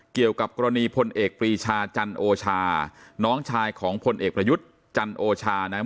เกี่ยวกับกรณีพลเอกปรีชาจันโอชาน้องชายของพลเอกประยุทธ์จันโอชานะครับ